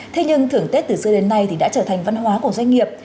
thế nhưng thưởng tết từ xưa đến nay thì đã trở thành văn hóa của doanh nghiệp